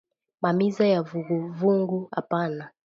Ma miza yanguvunguvu apana